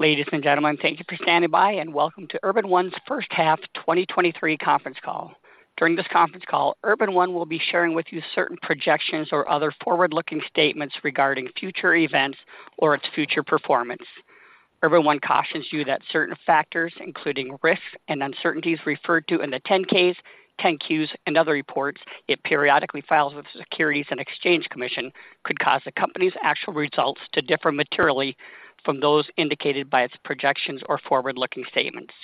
Ladies and gentlemen, thank you for standing by, and welcome to Urban One's H1 2023 conference call. During this conference call, Urban One will be sharing with you certain projections or other forward-looking statements regarding future events or its future performance. Urban One cautions you that certain factors, including risks and uncertainties referred to in the 10-Ks, 10-Qs, and other reports it periodically files with the Securities and Exchange Commission, could cause the company's actual results to differ materially from those indicated by its projections or forward-looking statements.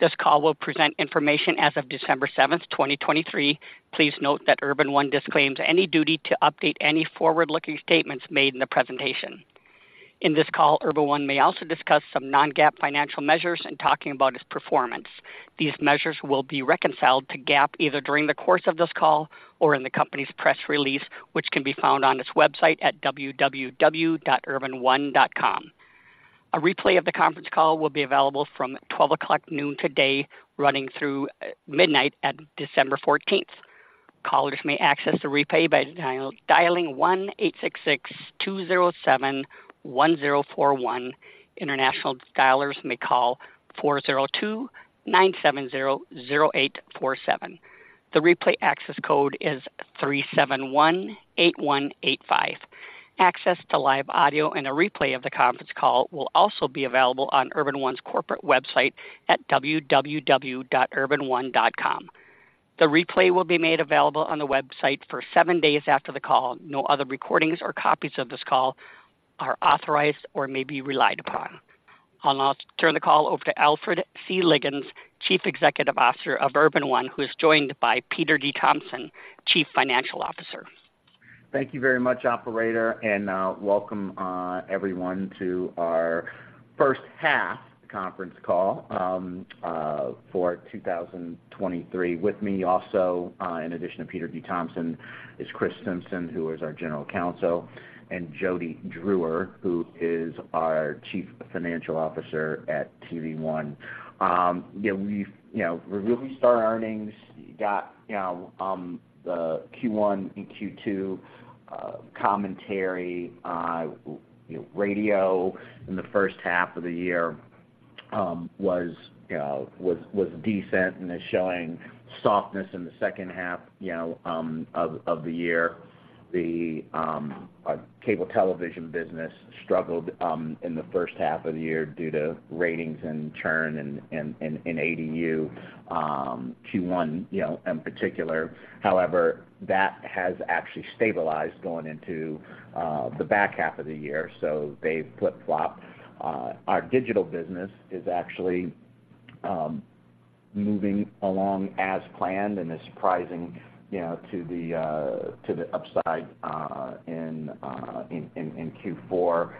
This call will present information as of December 7, 2023. Please note that Urban One disclaims any duty to update any forward-looking statements made in the presentation. In this call, Urban One may also discuss some non-GAAP financial measures in talking about its performance. These measures will be reconciled to GAAP either during the course of this call or in the company's press release, which can be found on its website at www.urbanone.com. A replay of the conference call will be available from 12:00 noon today, running through midnight at December fourteenth. Callers may access the replay by dialing 1-866-207-1041. International dialers may call 402-970-0847. The replay access code is 371-8185. Access to live audio and a replay of the conference call will also be available on Urban One's corporate website at www.urbanone.com. The replay will be made available on the website for seven days after the call. No other recordings or copies of this call are authorized or may be relied upon. I'll now turn the call over to Alfred C. Liggins, CEO of Urban One, who is joined by Peter D. Thompson, CFO. Thank you very much, operator, and welcome everyone to our H1 conference call for 2023. With me also, in addition to Peter D. Thompson, is Kris Simpson, who is our General Counsel, and Jody Drewer, who is our CFO at TV One. Yeah, we've -- you know, we'll restart earnings. Got, you know, the Q1 and Q2 commentary, you know, radio in the H1 of the year was, you know, was, was decent and is showing softness in the H2, you know, of the year. The cable television business struggled in the H1 of the year due to ratings and churn in ADU, Q1, you know, in particular. However, that has actually stabilized going into the back half of the year, so they've flip-flopped. Our digital business is actually moving along as planned and is surprising, you know, to the upside in Q4.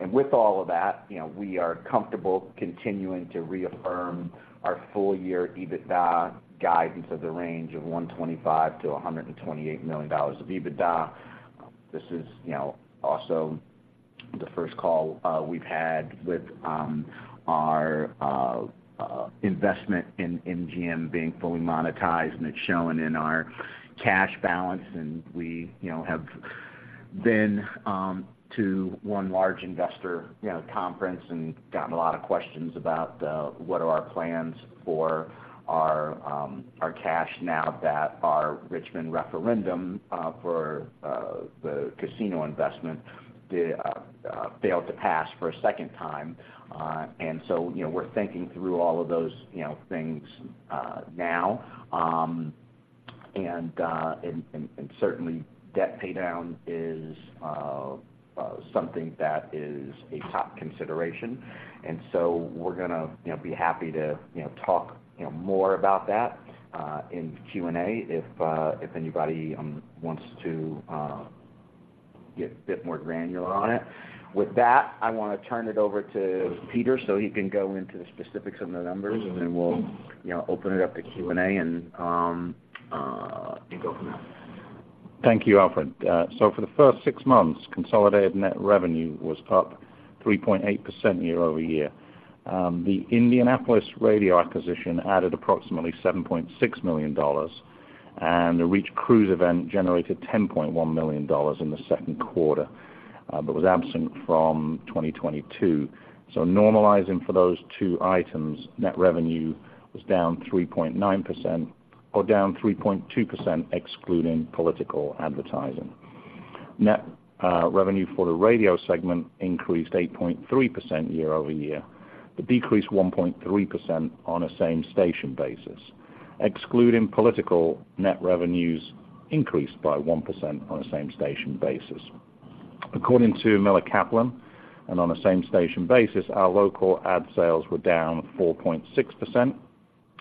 And with all of that, you know, we are comfortable continuing to reaffirm our full-year EBITDA guidance of the range of $125 million-128 million of EBITDA. This is, you know, also the first call we've had with our investment in MGM being fully monetized, and it's shown in our cash balance. We, you know, have been to one large investor, you know, conference and gotten a lot of questions about what are our plans for our cash now that our Richmond referendum for the casino investment failed to pass for a second time. And so, you know, we're thinking through all of those, you know, things now. And certainly debt paydown is something that is a top consideration. And so we're gonna, you know, be happy to, you know, talk, you know, more about that in the Q&A if anybody wants to get a bit more granular on it. With that, I wanna turn it over to Peter, so he can go into the specifics of the numbers, and then we'll, you know, open it up to Q&A and go from there. Thank you, Alfred. So for the first six months, consolidated net revenue was up 3.8% year-over-year. The Indianapolis radio acquisition added approximately $7.6 million, and the Reach cruise event generated $10.1 million in the Q2, but was absent from 2022. So normalizing for those two items, net revenue was down 3.9% or down 3.2%, excluding political advertising. Net revenue for the radio segment increased 8.3% year-over-year, but decreased 1.3% on a same-station basis. Excluding political, net revenues increased by 1% on a same-station basis. According to Miller Kaplan, and on a same-station basis, our local ad sales were down 4.6%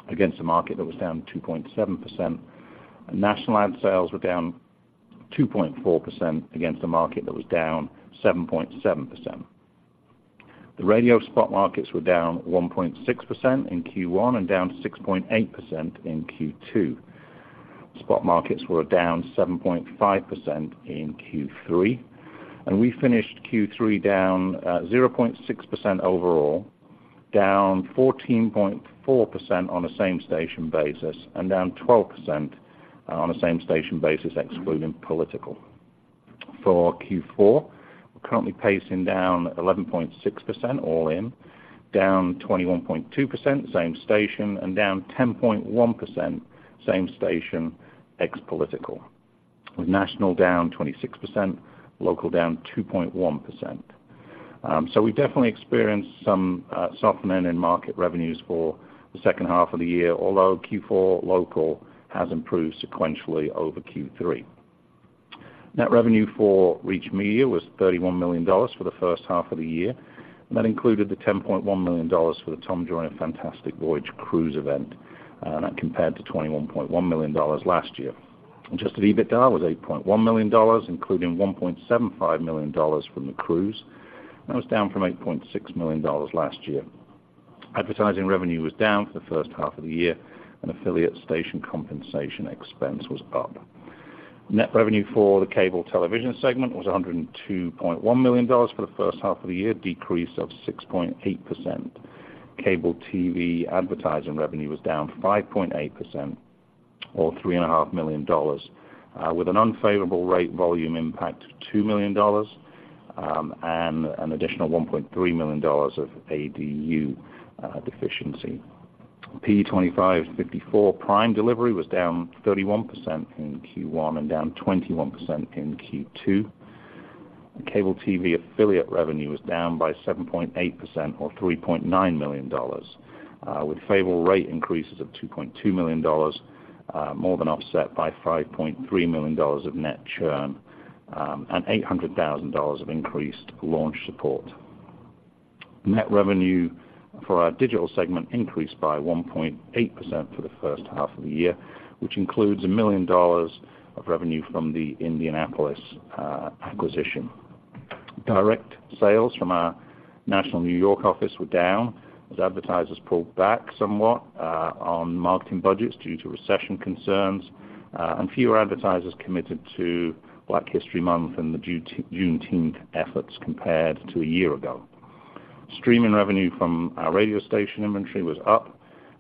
against a market that was down 2.7%, and national ad sales were down 2.4% against a market that was down 7.7%. The radio spot markets were down 1.6% in Q1 and down 6.8% in Q2. Spot markets were down 7.5% in Q3, and we finished Q3 down 0.6% overall, down 14.4% on a same-station basis and down 12% on a same-station basis, excluding political. For Q4, we're currently pacing down 11.6% all in, down 21.2% same station, and down 10.1% same station ex-political, with national down 26%, local down 2.1%. So we've definitely experienced some softening in market revenues for the H2 of the year, although Q4 local has improved sequentially over Q3. Net revenue for Reach Media was $31 million for the H1 of the year, and that included the $10.1 million for the Tom Joyner Fantastic Voyage cruise event, and that compared to $21.1 million last year. Adjusted EBITDA was $8.1 million, including $1.75 million from the cruise, and was down from $8.6 million last year. Advertising revenue was down for the H1 of the year, and affiliate station compensation expense was up. Net revenue for the cable television segment was $102.1 million for the H1 of the year, a decrease of 6.8%. Cable TV advertising revenue was down 5.8%, or $3.5 million, with an unfavorable rate volume impact of $2 million, and an additional $1.3 million of ADU deficiency. P25-54 prime delivery was down 31% in Q1 and down 21% in Q2. Cable TV affiliate revenue was down by 7.8% or $3.9 million, with favorable rate increases of $2.2 million, more than offset by $5.3 million of net churn, and $800,000 of increased launch support. Net revenue for our digital segment increased by 1.8% for the H1 of the year, which includes $1 million of revenue from the Indianapolis acquisition. Direct sales from our national New York office were down, as advertisers pulled back somewhat, on marketing budgets due to recession concerns, and fewer advertisers committed to Black History Month and the June, Juneteenth efforts compared to a year ago. Streaming revenue from our radio station inventory was up.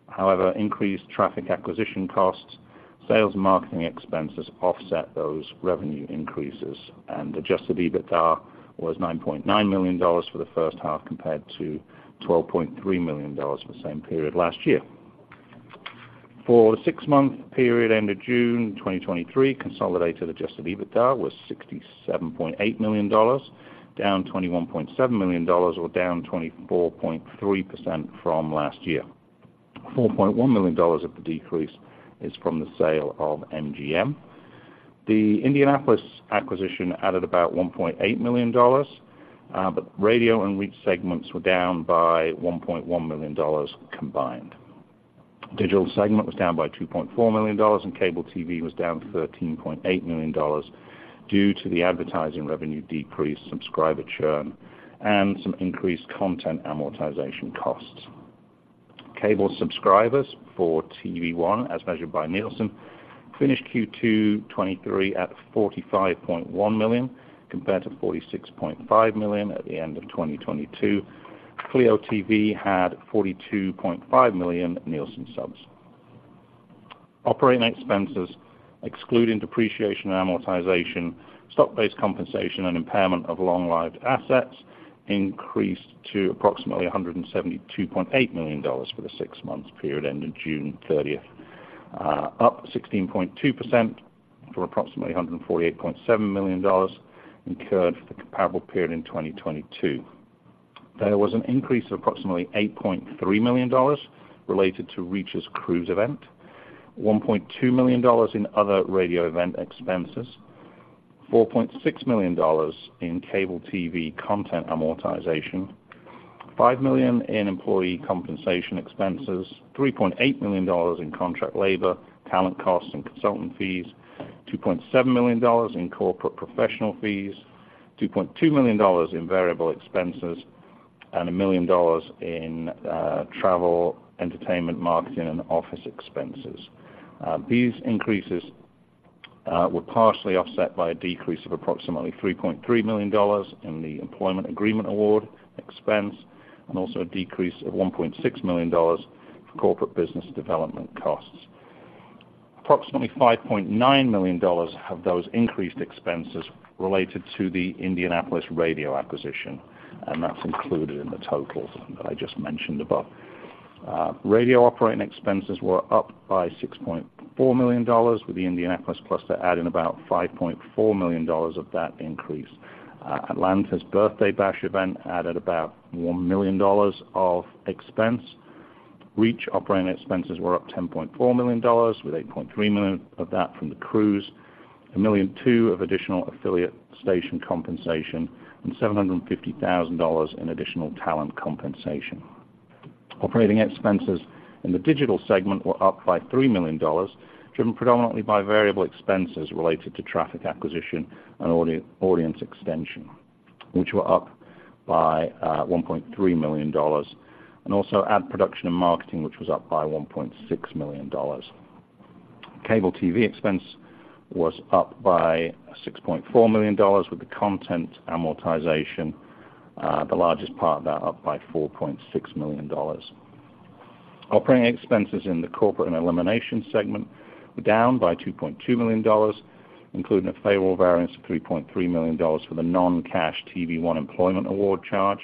However, increased traffic acquisition costs, sales and marketing expenses offset those revenue increases, and adjusted EBITDA was $9.9 million for the H1, compared to $12.3 million for the same period last year. For the six-month period ended June 2023, consolidated adjusted EBITDA was $67.8 million, down $21.7 million, or down 24.3% from last year. $4.1 million of the decrease is from the sale of MGM. The Indianapolis acquisition added about $1.8 million, but radio and Reach segments were down by $1.1 million combined. Digital segment was down by $2.4 million, and cable TV was down $13.8 million due to the advertising revenue decrease, subscriber churn, and some increased content amortization costs. Cable subscribers for TV One, as measured by Nielsen, finished Q2 2023 at 45.1 million, compared to 46.5 million at the end of 2022. Cleo TV had 42.5 million Nielsen subs. Operating expenses, excluding depreciation and amortization, stock-based compensation, and impairment of long-lived assets, increased to approximately $172.8 million for the six-month period ending June 30, up 16.2% from approximately $148.7 million incurred for the comparable period in 2022. There was an increase of approximately $8.3 million related to Reach's cruise event, $1.2 million in other radio event expenses, $4.6 million in cable TV content amortization, $5 million in employee compensation expenses, $3.8 million in contract labor, talent costs, and consultant fees, $2.7 million in corporate professional fees, $2.2 million in variable expenses, and $1 million in travel, entertainment, marketing, and office expenses. These increases were partially offset by a decrease of approximately $3.3 million in the employment agreement award expense and also a decrease of $1.6 million for corporate business development costs. Approximately $5.9 million of those increased expenses related to the Indianapolis radio acquisition, and that's included in the totals that I just mentioned above. Radio operating expenses were up by $6.4 million, with the Indianapolis cluster adding about $5.4 million of the increase. Atlanta's Birthday Bash event added about $1 million of expense. Reach operating expenses were up $10.4 million, with $8.3 million of that from the cruise, $1.2 million of additional affiliate station compensation, and $750,000 in additional talent compensation. Operating expenses in the digital segment were up by $3 million, driven predominantly by variable expenses related to traffic acquisition and audience extension, which were up by $1.3 million, and also ad production and marketing, which was up by $1.6 million. Cable TV expense was up by $6.4 million, with the content amortization the largest part of that up by $4.6 million. Operating expenses in the corporate and elimination segment were down by $2.2 million, including a favorable variance of $3.3 million for the non-cash TV One employment award charge,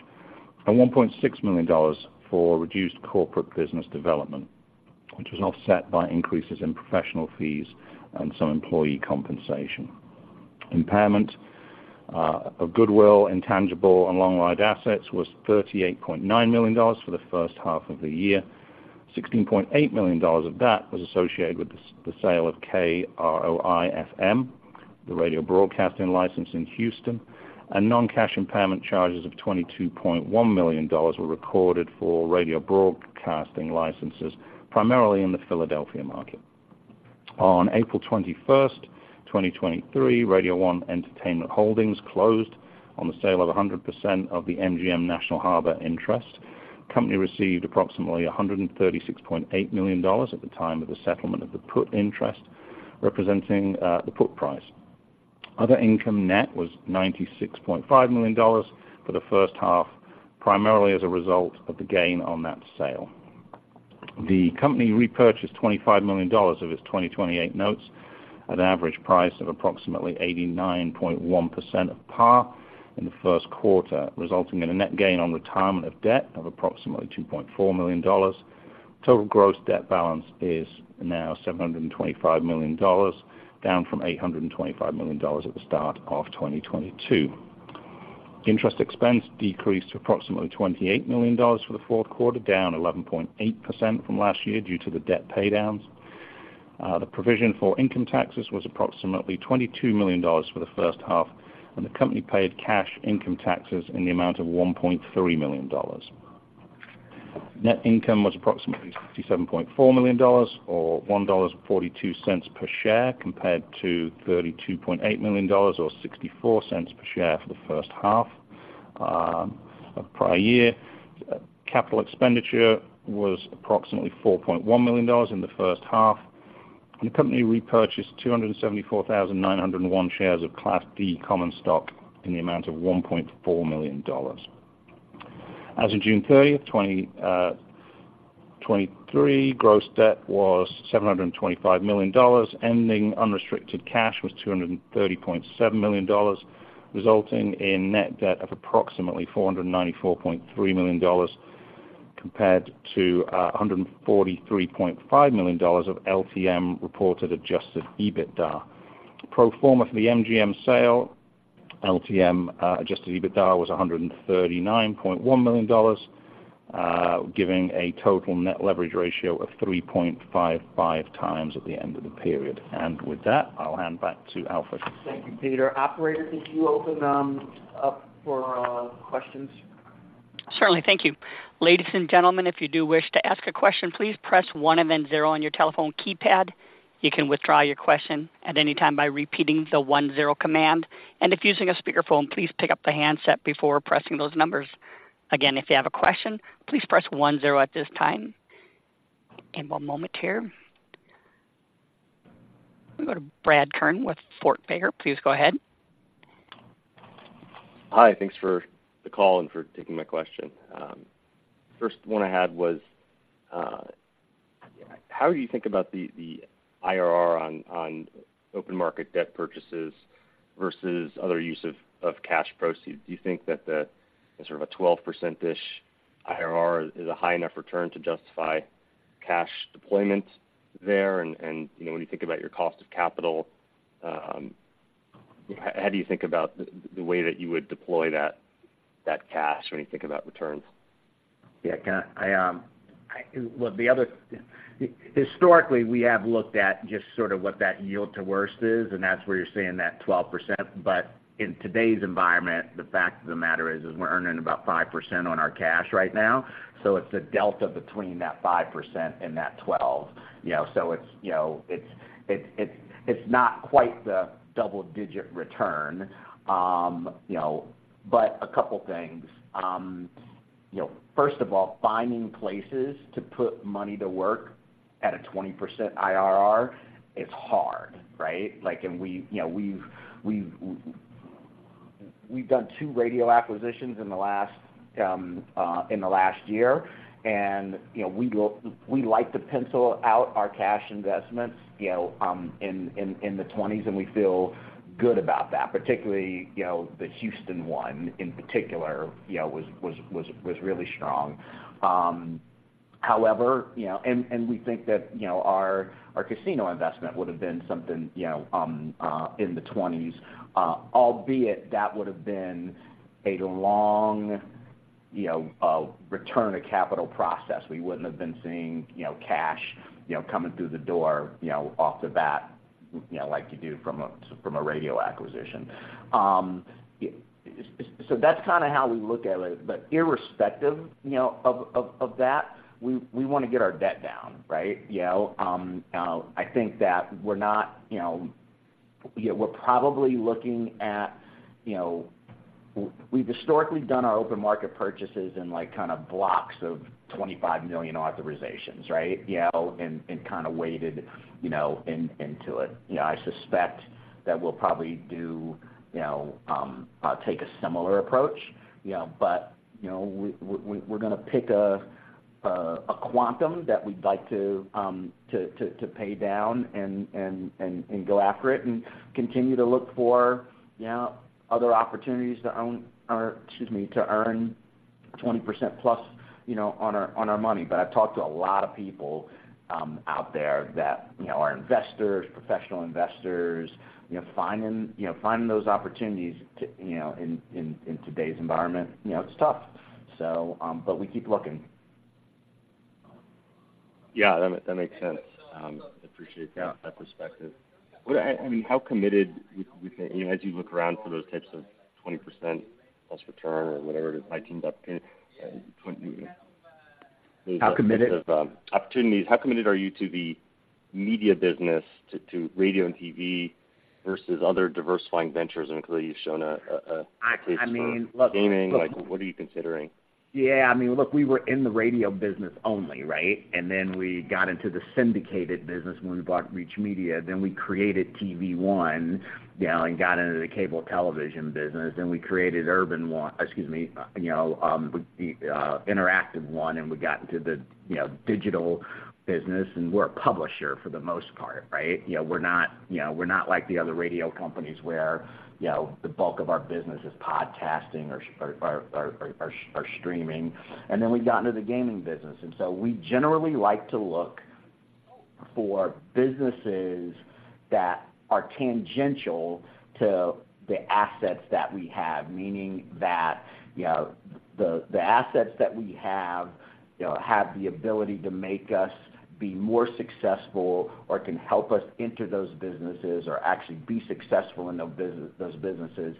and $1.6 million for reduced corporate business development, which was offset by increases in professional fees and some employee compensation. Impairment of goodwill, intangible, and long-lived assets was $38.9 million for the H1 of the year. $16.8 million of that was associated with the sale of KROI-FM, the radio broadcasting license in Houston, and non-cash impairment charges of $22.1 million were recorded for radio broadcasting licenses, primarily in the Philadelphia market. On April 21, 2023, Radio One Entertainment Holdings closed on the sale of 100% of the MGM National Harbor interest. Company received approximately $136.8 million at the time of the settlement of the put interest, representing the put price. Other income net was $96.5 million for the H1, primarily as a result of the gain on that sale. The company repurchased $25 million of its 2028 notes at an average price of approximately 89.1% of par in the Q1, resulting in a net gain on retirement of debt of approximately $2.4 million. Total gross debt balance is now $725 million, down from $825 million at the start of 2022. Interest expense decreased to approximately $28 million for the Q4, down 11.8% from last year due to the debt paydowns. The provision for income taxes was approximately $22 million for the H1, and the company paid cash income taxes in the amount of $1.3 million. Net income was approximately $67.4 million or $1.42 per share, compared to $32.8 million or $0.64 per share for the H1 of prior year. Capital expenditure was approximately $4.1 million in the H1, and the company repurchased 274,901 shares of Class D common stock in the amount of $1.4 million. As of June 30th, 2023, gross debt was $725 million. Ending unrestricted cash was $230.7 million, resulting in net debt of approximately $494.3 million, compared to $143.5 million of LTM reported adjusted EBITDA. Performance for the MGM sale, LTM, adjusted EBITDA was $139.1 million, giving a total net leverage ratio of 3.55 times at the end of the period. And with that, I'll hand back to Alfred. Thank you, Peter. Operator, could you open up for questions? Certainly. Thank you. Ladies and gentlemen, if you do wish to ask a question, please press one and then zero on your telephone keypad. You can withdraw your question at any time by repeating the one-zero command, and if using a speakerphone, please pick up the handset before pressing those numbers. Again, if you have a question, please press one-zero at this time. One moment here. We go to Brad Kern with Fort Baker. Please go ahead. Hi, thanks for the call and for taking my question. First one I had was, how do you think about the IRR on open market debt purchases versus other use of cash proceeds? Do you think that the sort of a 12%-ish IRR is a high enough return to justify cash deployment there? And, you know, when you think about your cost of capital, how do you think about the way that you would deploy that cash when you think about returns? Well, historically, we have looked at just sort of what that yield to worst is, and that's where you're seeing that 12%. But in today's environment, the fact of the matter is we're earning about 5% on our cash right now. So it's the delta between that 5% and that 12. You know, so it's not quite the double-digit return. You know, but a couple things. You know, first of all, finding places to put money to work at a 20% IRR is hard, right? Like, and we, you know, we've done 2 radio acquisitions in the last year. You know, we like to pencil out our cash investments, you know, in the 20s, and we feel good about that, particularly, you know, the Houston one in particular, you know, was really strong. However, you know, we think that, you know, our casino investment would have been something, you know, in the 20s. Albeit that would have been a long, you know, return on capital process. We wouldn't have been seeing, you know, cash, you know, coming through the door, you know, off the bat, you know, like you do from a radio acquisition. So that's kind of how we look at it. But irrespective, you know, of that, we wanna get our debt down, right? You know, I think that we're not, you know. Yeah, we're probably looking at, you know, we've historically done our open market purchases in, like, kind of blocks of $25 million authorizations, right? You know, and kind of weighted, you know, into it. You know, I suspect that we'll probably do, you know, take a similar approach, you know. But, you know, we're gonna pick a quantum that we'd like to pay down and go after it and continue to look for, you know, other opportunities to own or, excuse me, to earn 20%+, you know, on our money. But I've talked to a lot of people out there that, you know, are investors, professional investors, you know, finding those opportunities, you know, in today's environment, you know, it's tough. So, but we keep looking. Yeah, that makes sense. Appreciate, yeah, that perspective. I mean, how committed, you know, as you look around for those types of 20% plus return or whatever it might end up being, twenty- How committed? Opportunities. How committed are you to the media business, to radio and TV versus other diversifying ventures? And clearly, you've shown a- I mean- Gaming, like, what are you considering? Yeah, I mean, look, we were in the radio business only, right? And then we got into the syndicated business when we bought Reach Media. Then we created TV One, you know, and got into the cable television business. Then we created Urban One—excuse me, you know, Interactive One, and we got into the, you know, digital business, and we're a publisher for the most part, right? You know, we're not, you know, we're not like the other radio companies where, you know, the bulk of our business is podcasting or streaming. And then we've got into the gaming business. And so we generally like to look for businesses that are tangential to the assets that we have. Meaning that, you know, the assets that we have, you know, have the ability to make us be more successful or can help us enter those businesses or actually be successful in those businesses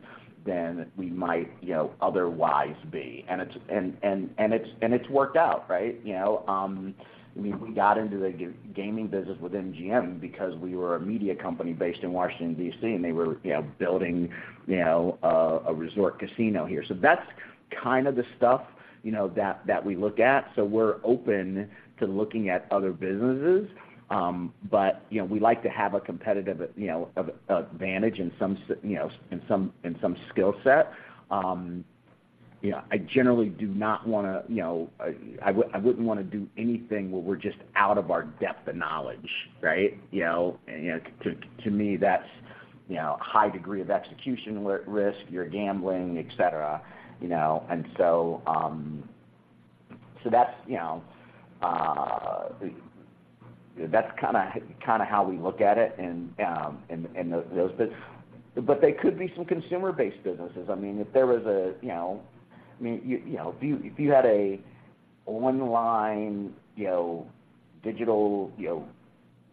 than we might, you know, otherwise be. And it's worked out, right? You know, I mean, we got into the gaming business with MGM because we were a media company based in Washington, DC., and they were, you know, building, you know, a resort casino here. So that's kind of the stuff, you know, that we look at. So we're open to looking at other businesses, but, you know, we like to have a competitive, you know, advantage in some, you know, in some skill set. You know, I generally do not wanna, you know... I wouldn't wanna do anything where we're just out of our depth of knowledge, right? You know, and you know, to me, that's you know a high degree of execution risk. You're gambling, et cetera, you know. And so that's you know that's kind of how we look at it and those. But they could be some consumer-based businesses. I mean, if there was a you know... I mean you know, if you had a online you know digital you know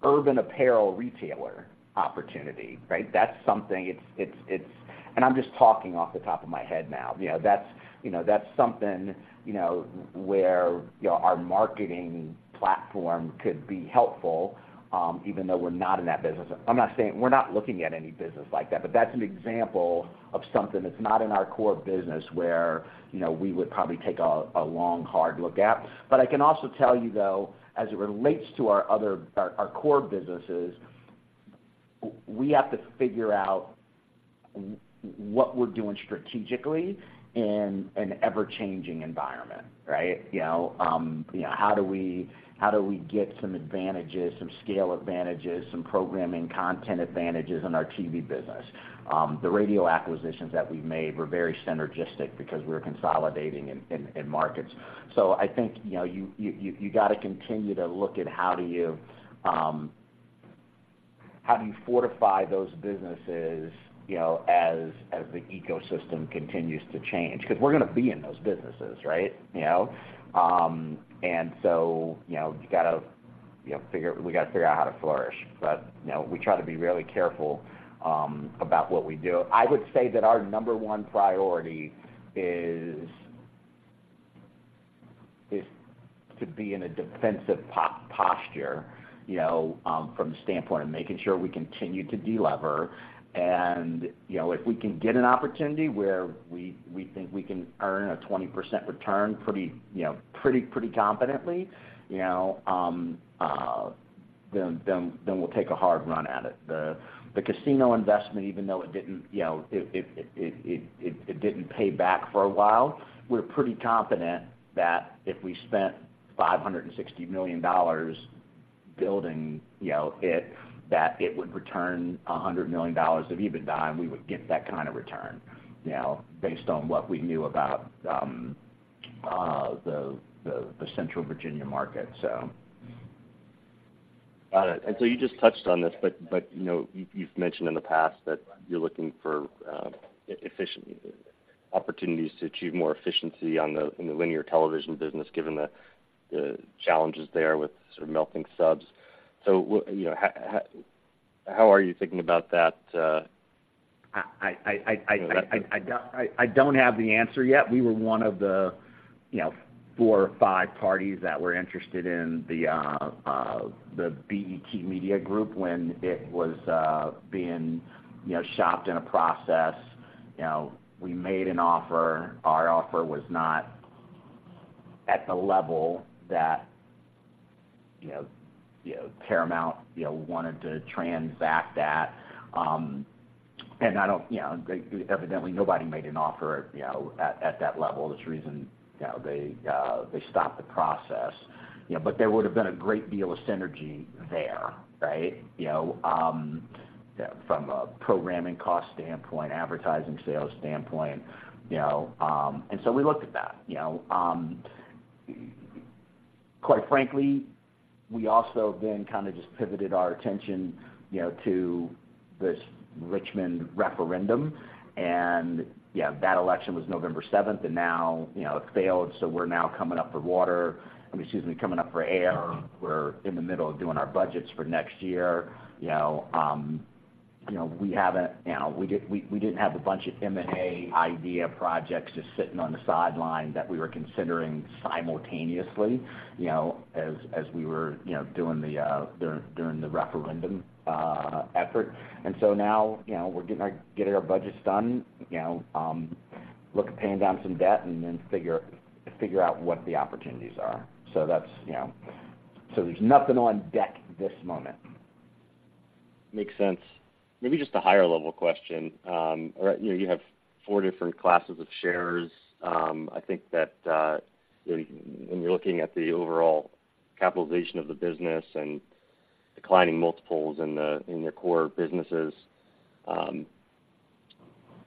urban apparel retailer opportunity, right? That's something, it's it's it's... And I'm just talking off the top of my head now. You know, that's you know that's something you know where you know our marketing platform could be helpful even though we're not in that business. I'm not saying we're not looking at any business like that, but that's an example of something that's not in our core business, where, you know, we would probably take a long, hard look at. But I can also tell you, though, as it relates to our other core businesses, we have to figure out what we're doing strategically in an ever-changing environment, right? You know, you know, how do we get some advantages, some scale advantages, some programming content advantages in our TV business? The radio acquisitions that we made were very synergistic because we're consolidating in markets. So I think, you know, you gotta continue to look at how do you fortify those businesses, you know, as the ecosystem continues to change? Because we're gonna be in those businesses, right? You know, and so, you know, you gotta, you know, we gotta figure out how to flourish. But, you know, we try to be really careful about what we do. I would say that our number one priority is to be in a defensive posture, you know, from the standpoint of making sure we continue to delever. And, you know, if we can get an opportunity where we think we can earn a 20% return pretty, you know, pretty, pretty confidently, you know, then we'll take a hard run at it. The casino investment, even though it didn't, you know, it didn't pay back for a while, we're pretty confident that if we spent $560 million building, you know, that it would return $100 million of EBITDA, and we would get that kind of return, you know, based on what we knew about the Central Virginia market, so. Got it. And so you just touched on this, but you know, you've mentioned in the past that you're looking for efficiency opportunities to achieve more efficiency in the linear television business, given the challenges there with sort of melting subs. So you know, how are you thinking about that. I don't have the answer yet. We were one of the, you know, four or five parties that were interested in the BET Media Group when it was being, you know, shopped in a process. You know, we made an offer. Our offer was not at the level that, you know, you know, Paramount, you know, wanted to transact that. And I don't—you know, evidently, nobody made an offer, you know, at that level. That's the reason, you know, they stopped the process. You know, but there would've been a great deal of synergy there, right? You know, from a programming cost standpoint, advertising sales standpoint, you know, and so we looked at that, you know. Quite frankly, we also then kind of just pivoted our attention, you know, to this Richmond referendum. And, yeah, that election was November 7th, and now, you know, it failed, so we're now coming up for water, excuse me, coming up for air. We're in the middle of doing our budgets for next year. You know, you know, we haven't, you know, we, we didn't have a bunch of M&A idea projects just sitting on the sideline that we were considering simultaneously, you know, as, as we were, you know, doing the referendum effort. And so now, you know, we're getting our, getting our budgets done, you know, look at paying down some debt and then figure, figure out what the opportunities are. So that's, you know. So there's nothing on deck this moment. Makes sense. Maybe just a higher-level question. All right, you know, you have four different classes of shares. I think that, when, when you're looking at the overall capitalization of the business and declining multiples in the- in the core businesses,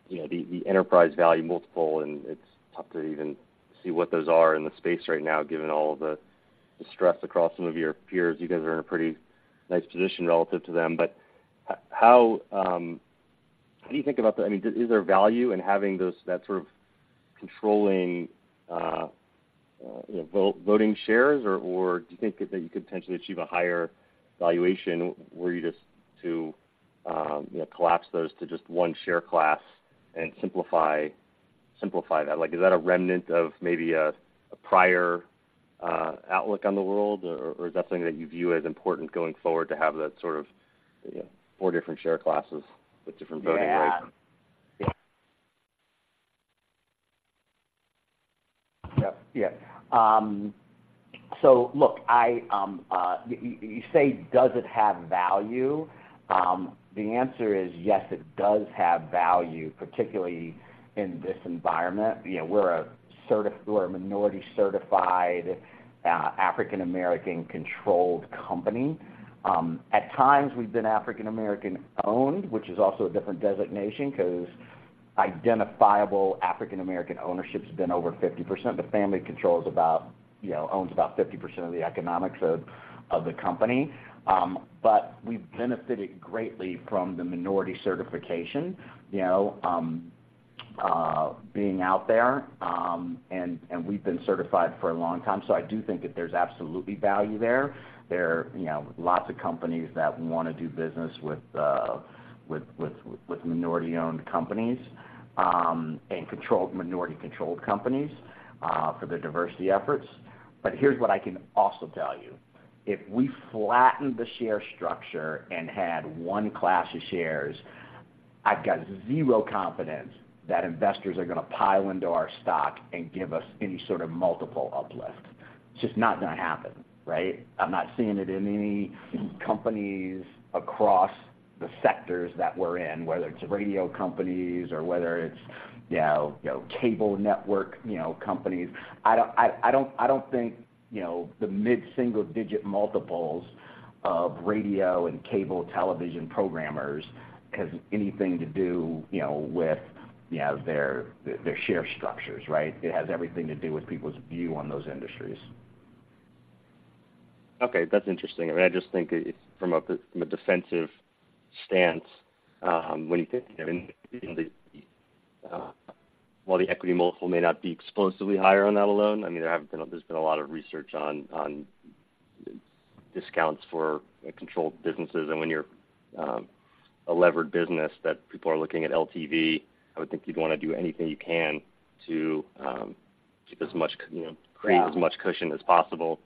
you know, the, the enterprise value multiple, and it's tough to even see what those are in the space right now, given all of the, the stress across some of your peers. You guys are in a pretty nice position relative to them. But how, how do you think about the- I mean, is there value in having those- that sort of controlling, you know, voting shares, or, or do you think that, that you could potentially achieve a higher valuation, were you just to, you know, collapse those to just one share class and simplify, simplify that? Like, is that a remnant of maybe a prior outlook on the world, or is that something that you view as important going forward to have that sort of, you know, four different share classes with different voting rights? Yeah. Yep, yeah. So look, you say, does it have value? The answer is yes, it does have value, particularly in this environment. You know, we're a minority-certified African-American-controlled company. At times, we've been African-American-owned, which is also a different designation, 'cause identifiable African-American ownership's been over 50%. The family controls about, you know, owns about 50% of the economics of the company. But we've benefited greatly from the minority certification, you know, being out there, and we've been certified for a long time, so I do think that there's absolutely value there. There are, you know, lots of companies that wanna do business with minority-owned companies and minority-controlled companies for their diversity efforts. But here's what I can also tell you: If we flattened the share structure and had one class of shares, I've got zero confidence that investors are gonna pile into our stock and give us any sort of multiple uplift. It's just not gonna happen, right? I'm not seeing it in any companies across the sectors that we're in, whether it's radio companies or whether it's, you know, cable network, you know, companies. I don't think, you know, the mid-single-digit multiples of radio and cable television programmers has anything to do, you know, with their share structures, right? It has everything to do with people's view on those industries. Okay, that's interesting. I mean, I just think it from a defensive stance, when you think, I mean, while the equity multiple may not be explosively higher on that alone, I mean, there's been a lot of research on discounts for controlled businesses. And when you're a levered business that people are looking at LTV, I would think you'd wanna do anything you can to get as much, you know- Yeah... create as much cushion as possible.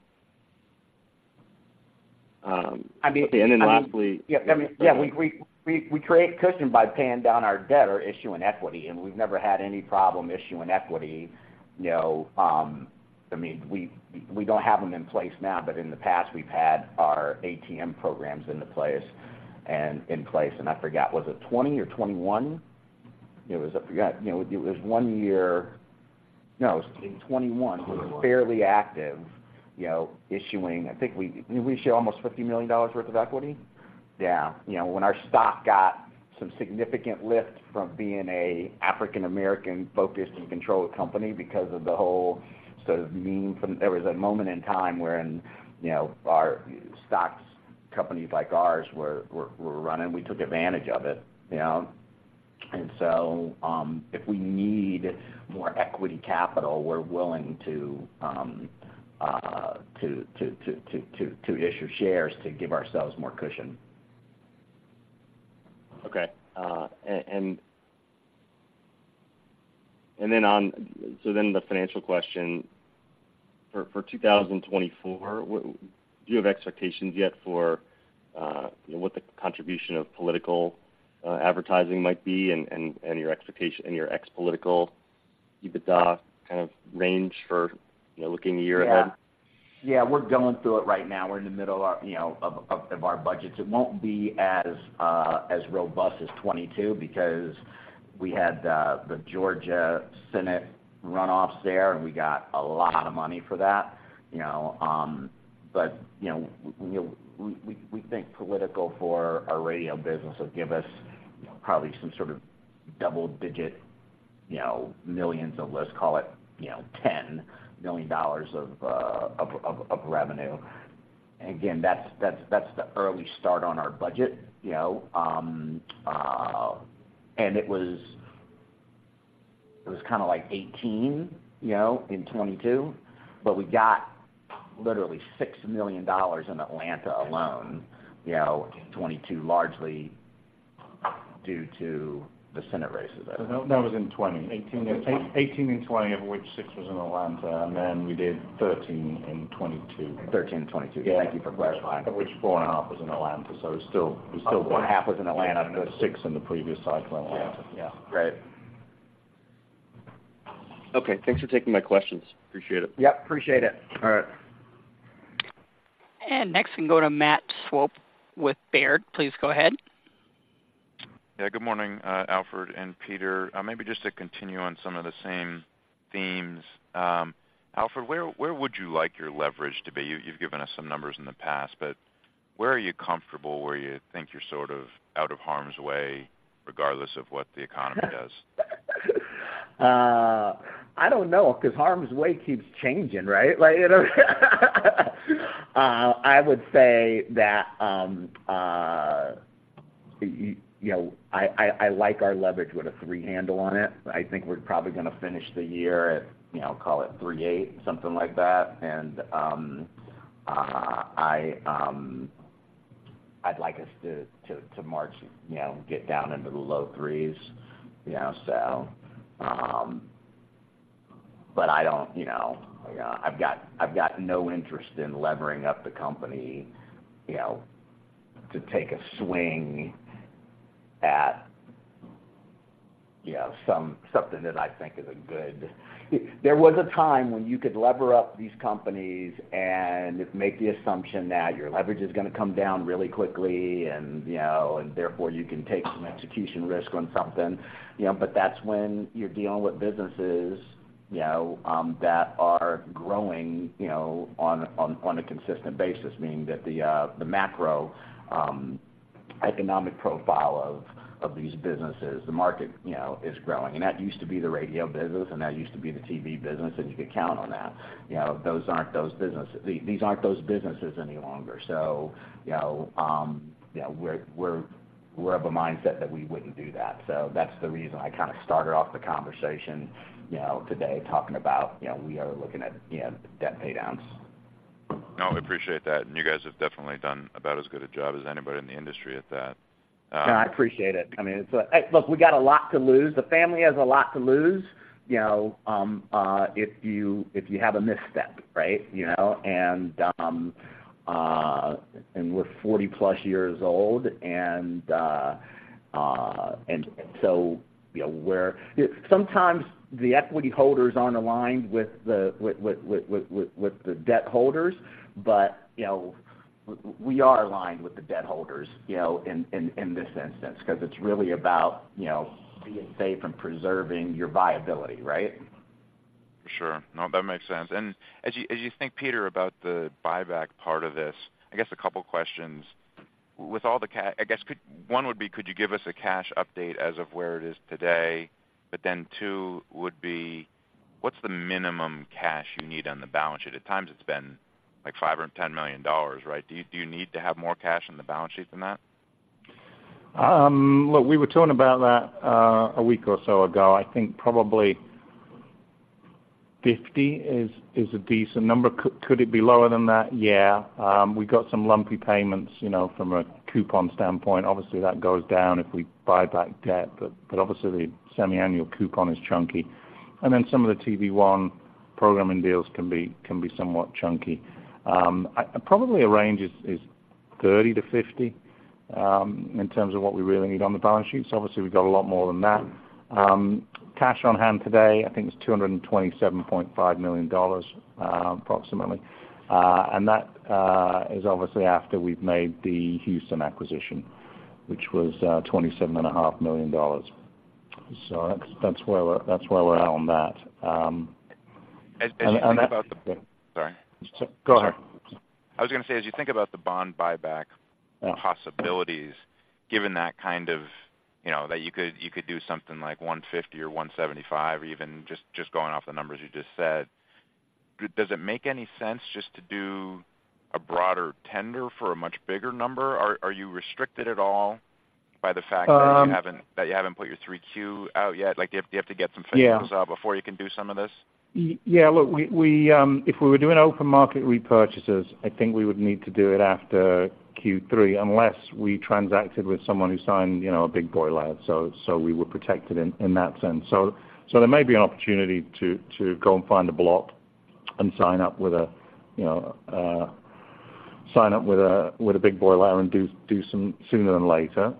I mean, I mean- And then lastly- Yeah, I mean, yeah, we create cushion by paying down our debt or issuing equity, and we've never had any problem issuing equity. You know, I mean, we don't have them in place now, but in the past, we've had our ATM programs in place, and I forgot, was it 2020 or 2021? It was, I forgot. You know, it was one year... No, it was in 2021. We were fairly active, you know, issuing. I think, did we issue almost $50 million worth of equity? Yeah. You know, when our stock got some significant lift from being a African-American-focused and controlled company because of the whole sort of meme from. There was a moment in time when, you know, our stocks, companies like ours, were running. We took advantage of it, you know? And so, if we need more equity capital, we're willing to issue shares to give ourselves more cushion. Okay. And then, the financial question: for 2024, what do you have expectations yet for what the contribution of political advertising might be, and your expectation and your expected political EBITDA kind of range for, you know, looking a year ahead? Yeah. Yeah, we're going through it right now. We're in the middle of, you know, of our budgets. It won't be as robust as 2022, because we had the Georgia Senate runoffs there, and we got a lot of money for that, you know. But, you know, we think political for our radio business will give us, you know, probably some sort of double-digit, you know, millions of, let's call it, you know, $10 million of revenue. And again, that's the early start on our budget, you know. And it was kind of like $18 million, you know, in 2022, but we got literally $6 million in Atlanta alone, you know, in 2022, largely due to the Senate races there. No, that was in 2018 and 2020, of which 6 was in Atlanta, and then we did 13 in 2022. 13 in 2022. Thank you for clarifying. Yeah. Of which 4.5 was in Atlanta, so it's still- One half was in Atlanta. six in the previous cycle in Atlanta. Yeah. Yeah, great. Okay, thanks for taking my questions. Appreciate it. Yep, appreciate it. All right. Next, we go to Matt Swope with Baird. Please go ahead. Yeah, good morning, Alfred and Peter. Maybe just to continue on some of the same themes. Alfred, where would you like your leverage to be? You've given us some numbers in the past, but where are you comfortable, where you think you're sort of out of harm's way, regardless of what the economy does? I don't know, because harm's way keeps changing, right? Like, you know, I would say that, you know, I like our leverage with a 3 handle on it. I think we're probably gonna finish the year at, you know, call it 3.8, something like that. And I'd like us to march, you know, get down into the low 3s, you know, so... But I don't, you know, I've got no interest in levering up the company, you know, to take a swing at, you know, something that I think is a good... There was a time when you could lever up these companies and make the assumption that your leverage is gonna come down really quickly, and, you know, and therefore, you can take some execution risk on something. You know, but that's when you're dealing with businesses, you know, that are growing, you know, on a consistent basis, meaning that the macro economic profile of these businesses, the market, you know, is growing. And that used to be the radio business, and that used to be the TV business, and you could count on that. You know, those aren't those businesses. These aren't those businesses any longer. So you know, we're of a mindset that we wouldn't do that. So that's the reason I kind of started off the conversation, you know, today, talking about, you know, we are looking at, you know, debt paydowns. No, I appreciate that, and you guys have definitely done about as good a job as anybody in the industry at that. No, I appreciate it. I mean, it's hey, look, we got a lot to lose. The family has a lot to lose, you know, if you have a misstep, right? You know, and we're 40-plus years old, and so, you know, we're... Sometimes the equity holders aren't aligned with the debt holders, but, you know, we are aligned with the debt holders, you know, in this instance, because it's really about, you know, being safe and preserving your viability, right? For sure. No, that makes sense. As you think, Peter, about the buyback part of this, I guess a couple questions. One would be: Could you give us a cash update as of where it is today? But then, two would be: What's the minimum cash you need on the balance sheet? At times, it's been, like, $5 million or $10 million, right? Do you need to have more cash on the balance sheet than that? Look, we were talking about that a week or so ago. I think probably 50 is a decent number. Could it be lower than that? Yeah. We've got some lumpy payments, you know, from a coupon standpoint. Obviously, that goes down if we buy back debt. But obviously, the semiannual coupon is chunky. And then some of the TV One programming deals can be somewhat chunky. Probably a range is 30-50 in terms of what we really need on the balance sheet. So obviously, we've got a lot more than that. Cash on hand today, I think, is $227.5 million, approximately. And that is obviously after we've made the Houston acquisition, which was $27.5 million. So that's where we're at on that. As you think about the- And that- Sorry. Go ahead. I was gonna say, as you think about the bond buyback- Yeah possibilities, given that kind of, you know, that you could, you could do something like $150 or $175, or even just, just going off the numbers you just said, does it make any sense just to do a broader tender for a much bigger number? Are you restricted at all by the fact- Um- that you haven't put your 3Q out yet? Like, do you have to get some financials- Yeah -out before you can do some of this? Yeah, look, we, if we were doing open market repurchases, I think we would need to do it after Q3, unless we transacted with someone who signed, you know, a big boy letter, so we were protected in that sense. So there may be an opportunity to go and find a block and sign up with a, you know, sign up with a big boy letter and do some sooner than later.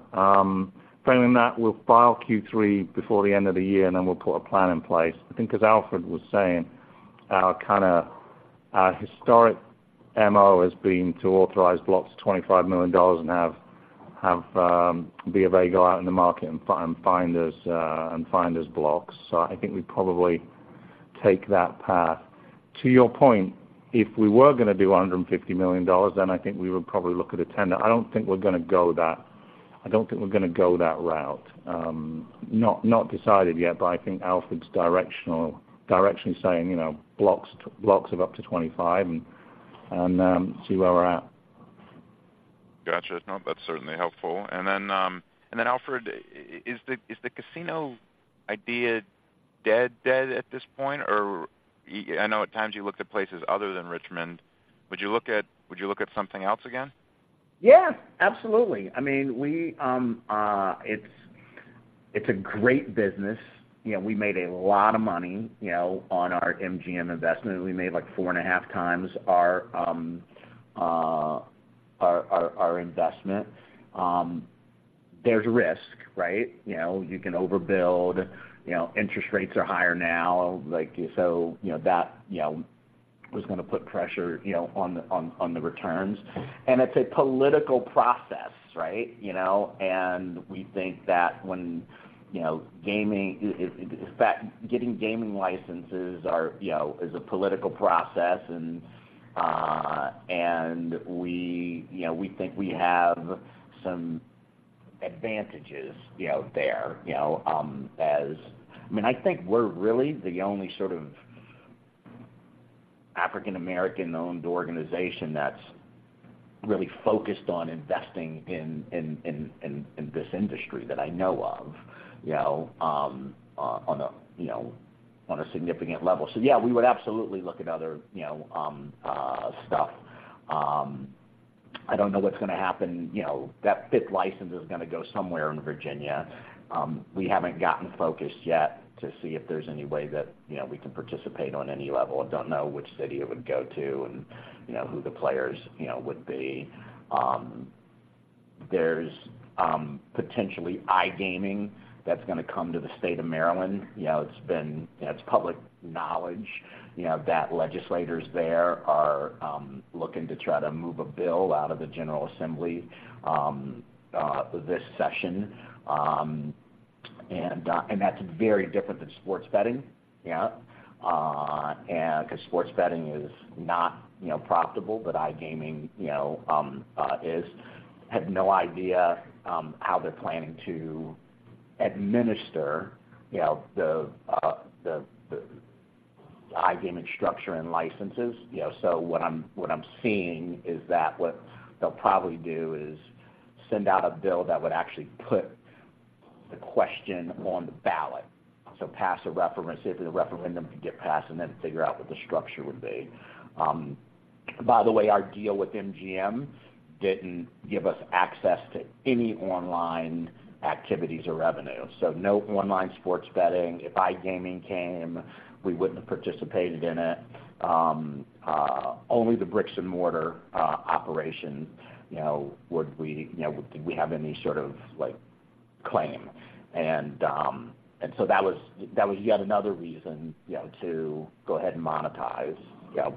Framing that, we'll file Q3 before the end of the year, and then we'll put a plan in place. I think as Alfred was saying, our historic MO has been to authorize blocks $25 million and have be a go out in the market and find us and find us blocks. So I think we probably take that path. To your point, if we were gonna do $150 million, then I think we would probably look at a tender. I don't think we're gonna go that—I don't think we're gonna go that route. Not decided yet, but I think Alfred's directionally saying, you know, blocks of up to 25 and see where we're at. Got you. No, that's certainly helpful. And then, and then Alfred, is the, is the casino idea dead, dead at this point? Or I know at times you looked at places other than Richmond. Would you look at, would you look at something else again? Yeah, absolutely. I mean, we, it's a great business. You know, we made a lot of money, you know, on our MGM investment. We made, like, 4.5x our investment. There's risk, right? You know, you can overbuild, you know, interest rates are higher now, like, so, you know, that, you know, is gonna put pressure, you know, on the returns. And it's a political process, right? You know, and we think that when, you know, gaming, in fact, getting gaming licenses are, you know, is a political process, and we, you know, we think we have some advantages, you know, there, you know, as... I mean, I think we're really the only sort of African American-owned organization that's really focused on investing in this industry that I know of, you know, on a, you know, on a significant level. So yeah, we would absolutely look at other, you know, stuff. I don't know what's gonna happen. You know, that fifth license is gonna go somewhere in Virginia. We haven't gotten focused yet to see if there's any way that, you know, we can participate on any level. I don't know which city it would go to and, you know, who the players, you know, would be. There's potentially iGaming that's gonna come to the state of Maryland. You know, it's been, you know, it's public knowledge, you know, that legislators there are looking to try to move a bill out of the General Assembly this session. And that's very different than sports betting, yeah. And because sports betting is not, you know, profitable, but iGaming, you know, is. Have no idea how they're planning to administer, you know, the iGaming structure and licenses. You know, so what I'm seeing is that what they'll probably do is send out a bill that would actually put the question on the ballot. So pass a referendum, see if the referendum can get passed, and then figure out what the structure would be. By the way, our deal with MGM didn't give us access to any online activities or revenue, so no online sports betting. If iGaming came, we wouldn't have participated in it. Only the bricks-and-mortar operation, you know, would we, you know, we have any sort of, like, claim. And so that was yet another reason, you know, to go ahead and monetize, you know.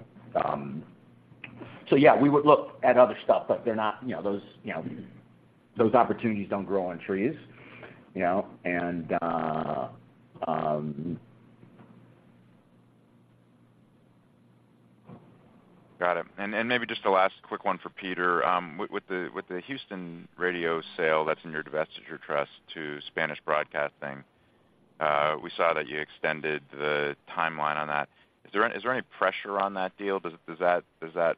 So yeah, we would look at other stuff, but they're not, you know, those, you know, those opportunities don't grow on trees, you know, and. Got it. And maybe just a last quick one for Peter. With the Houston radio sale that's in your divestiture trust to Spanish Broadcasting, we saw that you extended the timeline on that. Is there any pressure on that deal? Does that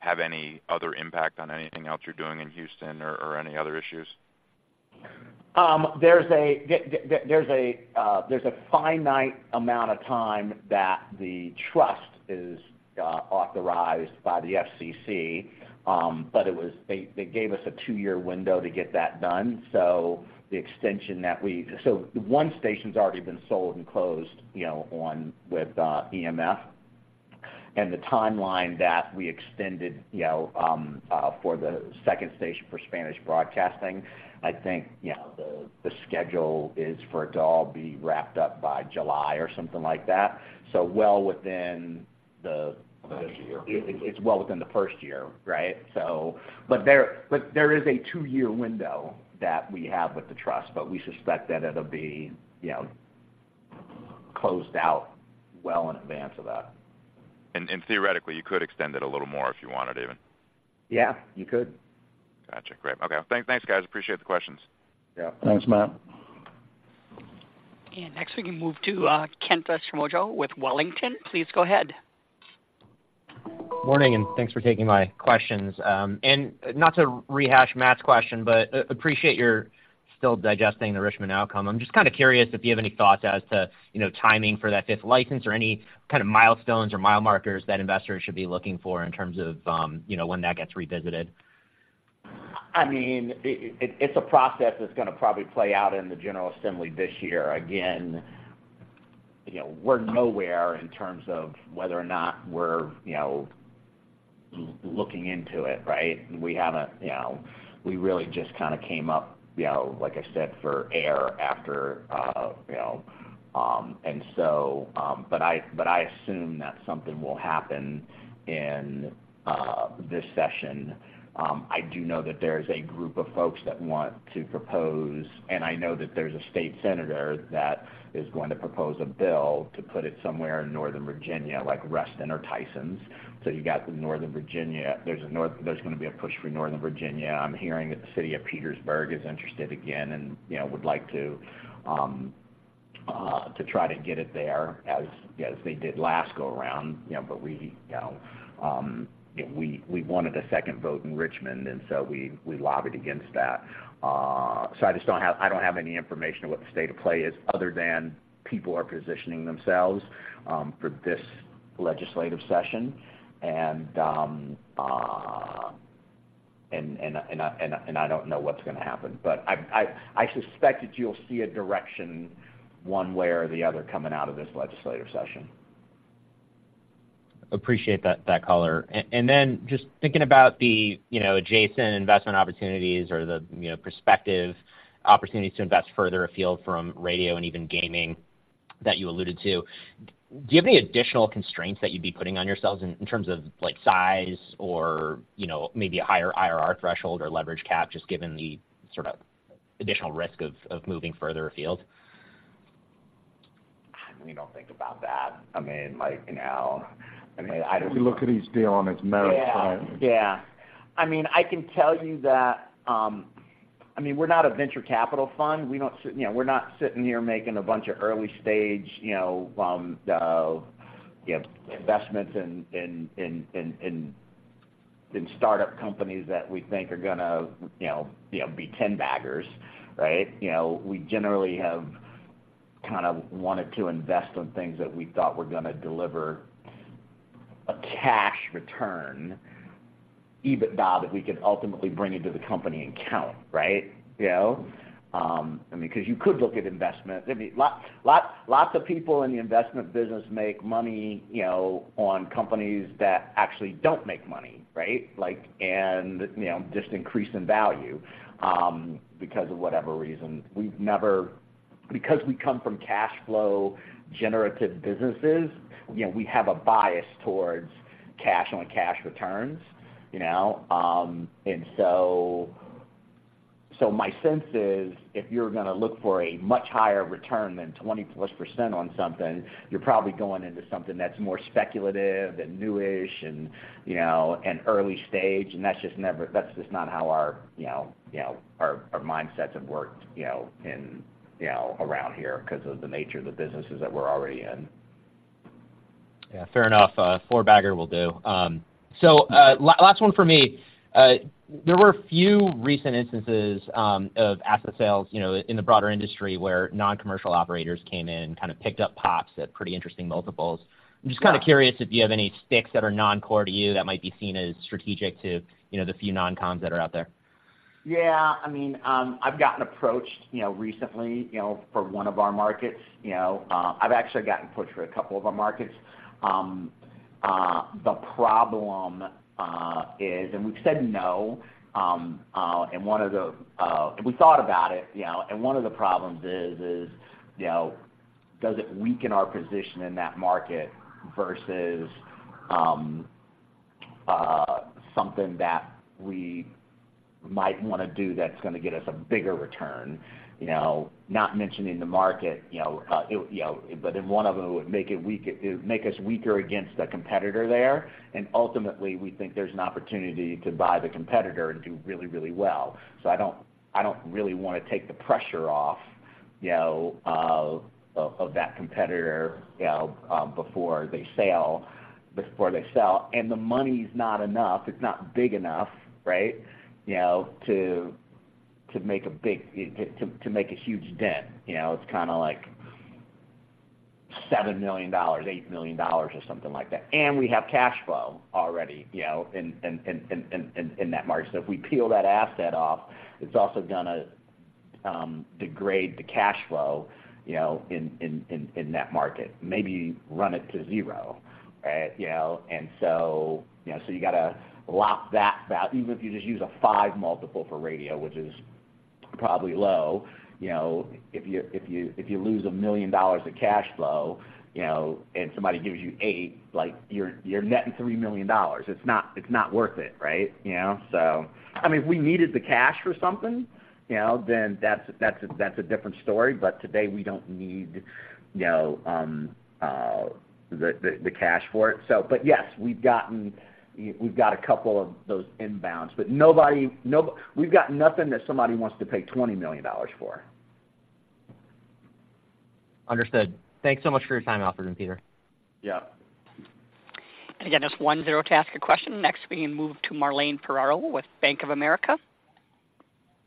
have any other impact on anything else you're doing in Houston or any other issues? There's a finite amount of time that the trust is authorized by the FCC. But they gave us a two-year window to get that done. So one station's already been sold and closed, you know, on with EMF. And the timeline that we extended, you know, for the second station for Spanish Broadcasting, I think, you know, the schedule is for it to all be wrapped up by July or something like that. So well within the- This year. It's well within the first year, right? So but there, but there is a two-year window that we have with the trust, but we suspect that it'll be, you know, closed out well in advance of that. And theoretically, you could extend it a little more if you wanted, even? Yeah, you could. Gotcha. Great. Okay, thanks, guys. Appreciate the questions. Yeah. Thanks, Matt. Next, we can move to Kent Torrijos with Wellington. Please go ahead. Morning, and thanks for taking my questions. And not to rehash Matt's question, but I appreciate you're still digesting the Richmond outcome. I'm just kind of curious if you have any thoughts as to, you know, timing for that fifth license or any kind of milestones or mile markers that investors should be looking for in terms of, you know, when that gets revisited?... I mean, it's a process that's gonna probably play out in the General Assembly this year. Again, you know, we're nowhere in terms of whether or not we're, you know, looking into it, right? We haven't, you know, we really just kind of came up, you know, like I said, for air after. And so, but I assume that something will happen in this session. I do know that there's a group of folks that want to propose, and I know that there's a state senator that is going to propose a bill to put it somewhere in Northern Virginia, like Reston or Tysons. So you got the Northern Virginia. There's gonna be a push for Northern Virginia. I'm hearing that the city of Petersburg is interested again and, you know, would like to try to get it there as they did last go around, you know, but we, you know, wanted a second vote in Richmond, and so we lobbied against that. So I just don't have any information on what the state of play is other than people are positioning themselves for this legislative session. And I don't know what's gonna happen. But I suspect that you'll see a direction one way or the other coming out of this legislative session. Appreciate that color. And then just thinking about the, you know, adjacent investment opportunities or the, you know, prospective opportunities to invest further afield from radio and even gaming that you alluded to, do you have any additional constraints that you'd be putting on yourselves in terms of, like, size or, you know, maybe a higher IRR threshold or leverage cap, just given the sort of additional risk of moving further afield? We don't think about that. I mean, like, you know, I mean, I don't- We look at each deal on its merit. Yeah. Yeah. I mean, I can tell you that, I mean, we're not a venture capital fund. We don't sit-- you know, we're not sitting here making a bunch of early stage, you know, you know, investments in startup companies that we think are gonna, you know, you know, be ten baggers, right? You know, we generally have kind of wanted to invest on things that we thought were gonna deliver a cash return, EBITDA, that we could ultimately bring into the company and count, right? You know, I mean, because you could look at investment. I mean, lots of people in the investment business make money, you know, on companies that actually don't make money, right? Like, and, you know, just increase in value, because of whatever reason. We've never, because we come from cash flow generative businesses, you know, we have a bias towards cash on cash returns, you know. And so my sense is, if you're gonna look for a much higher return than 20%+ on something, you're probably going into something that's more speculative and new-ish and, you know, and early stage, and that's just never, that's just not how our, you know, our mindsets have worked, you know, in, you know, around here because of the nature of the businesses that we're already in. Yeah, fair enough. Four bagger will do. So, last one for me. There were a few recent instances of asset sales, you know, in the broader industry, where non-commercial operators came in and kind of picked up pops at pretty interesting multiples. I'm just kind of curious if you have any sticks that are non-core to you that might be seen as strategic to, you know, the few non-coms that are out there? Yeah, I mean, I've gotten approached, you know, recently, you know, for one of our markets. You know, I've actually gotten approached for a couple of our markets. The problem is. We've said no, and we thought about it, you know, and one of the problems is, you know, does it weaken our position in that market versus something that we might wanna do that's gonna get us a bigger return? You know, not mentioning the market, you know, but in one of them, it would make it weaker. It would make us weaker against the competitor there, and ultimately, we think there's an opportunity to buy the competitor and do really, really well. So I don't, I don't really wanna take the pressure off, you know, of, of that competitor, you know, before they sell, before they sell. And the money's not enough, it's not big enough, right? You know, to make a big, to make a huge dent. You know, it's kind of like $7 million, $8 million or something like that. And we have cash flow already, you know, in that market. So if we peel that asset off, it's also gonna degrade the cash flow, you know, in that market. Maybe run it to zero, right? You know, and so, you know, so you got to lock that even if you just use a 5x multiple for radio, which is probably low, you know, if you lose $1 million of cash flow, you know, and somebody gives you 8x, like, you're netting $3 million. It's not worth it, right? You know, so... I mean, if we needed the cash for something, you know, then that's a different story, but today, we don't need the cash for it. So, but yes, we've gotten. We've got a couple of those inbounds, but nobody. We've got nothing that somebody wants to pay $20 million for. Understood. Thanks so much for your time, Alfred and Peter. Yeah. Again, just one-zero to ask a question. Next, we move to Marlene Ferraro with Bank of America....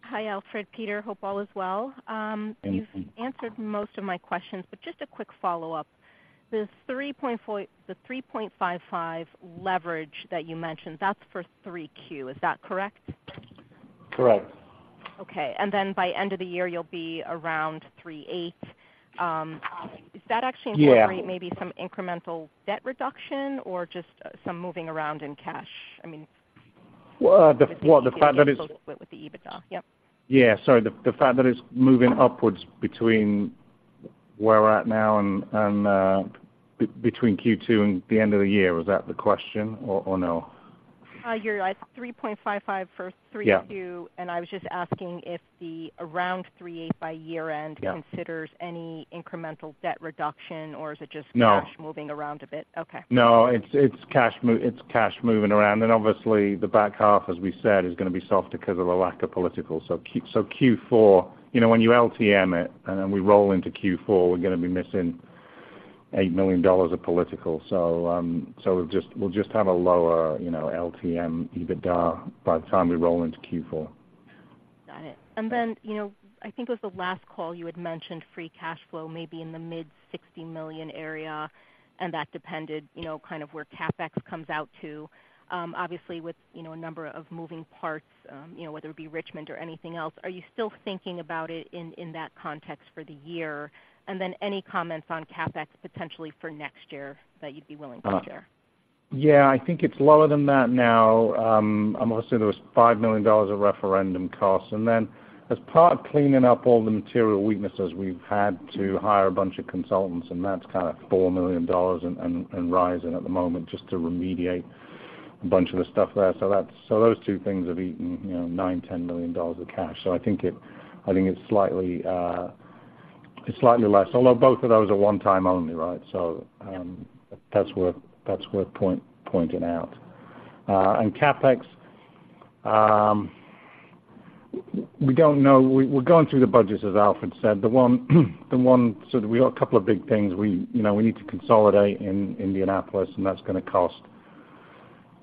Hi, Alfred, Peter. Hope all is well. Thank you. You've answered most of my questions, but just a quick follow-up. This 3.4, the 3.55 leverage that you mentioned, that's for 3Q. Is that correct? Correct. Okay. And then by end of the year, you'll be around 3.8. Is that actually- Yeah incorporate maybe some incremental debt reduction or just some moving around in cash? I mean- Well, well, the fact that is- With the EBITDA, yep. Yeah, sorry. The fact that it's moving upwards between where we're at now and between Q2 and the end of the year, was that the question or no? You're at 3.55 for 3Q. Yeah. I was just asking if they're around 3.8 by year-end- Yeah considers any incremental debt reduction, or is it just- No cash moving around a bit? Okay. No, it's cash moving around. And obviously, the back half, as we said, is gonna be soft because of the lack of political. So Q4, you know, when you LTM it and then we roll into Q4, we're gonna be missing $8 million of political. So we'll just have a lower, you know, LTM EBITDA by the time we roll into Q4. Got it. And then, you know, I think it was the last call you had mentioned free cash flow, maybe in the mid-$60 million area, and that depended, you know, kind of where CapEx comes out to. Obviously, with, you know, a number of moving parts, you know, whether it be Richmond or anything else, are you still thinking about it in that context for the year? And then any comments on CapEx potentially for next year that you'd be willing to share? Yeah, I think it's lower than that now. Obviously, there was $5 million of referendum costs, and then as part of cleaning up all the material weaknesses, we've had to hire a bunch of consultants, and that's kind of $4 million and rising at the moment just to remediate a bunch of the stuff there. So that's, so those two things have eaten, you know, $9-10 million of cash. So I think it, I think it's slightly, it's slightly less, although both of those are one time only, right? So, that's worth, that's worth pointing out. And CapEx, we don't know. We're going through the budget, as Alfred said. So we got a couple of big things. We, you know, we need to consolidate in Indianapolis, and that's gonna cost,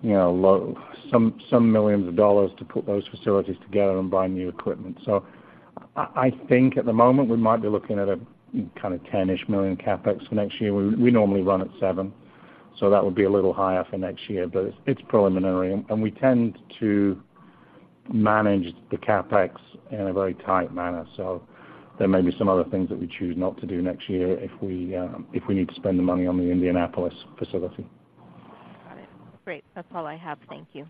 you know, some millions of dollars to put those facilities together and buy new equipment. So I think at the moment, we might be looking at a kind of $10-ish million CapEx for next year. We normally run at $7 million, so that would be a little higher for next year, but it's preliminary, and we tend to manage the CapEx in a very tight manner. So there may be some other things that we choose not to do next year if we need to spend the money on the Indianapolis facility. Got it. Great. That's all I have. Thank you.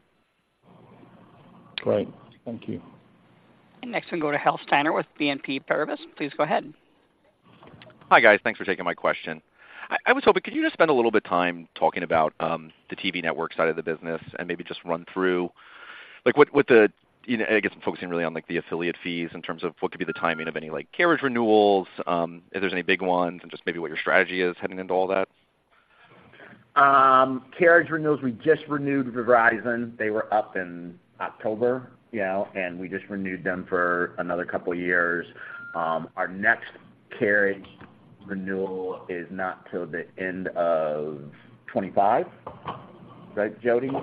Great. Thank you. Next, we go to Hal Steiner with BNP Paribas. Please go ahead. Hi, guys. Thanks for taking my question. I, I was hoping, could you just spend a little bit time talking about the TV network side of the business and maybe just run through, like, what, what the, you know, I guess, focusing really on, like, the affiliate fees in terms of what could be the timing of any, like, carriage renewals, if there's any big ones, and just maybe what your strategy is heading into all that? Carriage renewals, we just renewed Verizon. They were up in October, you know, and we just renewed them for another couple of years. Our next carriage renewal is not till the end of 2025. Right, Jody? In the Q3